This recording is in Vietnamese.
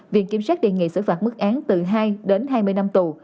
viện kiểm sát đề nghị xử phạt mức án từ hai đến hai mươi năm tù